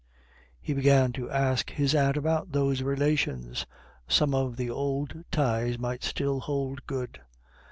He began to ask his aunt about those relations; some of the old ties might still hold good.